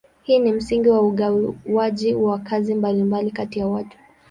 Hii ni msingi wa ugawaji wa kazi mbalimbali kati ya watu.